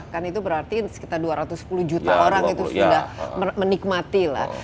kan itu berarti sekitar dua ratus sepuluh juta orang itu sudah menikmati lah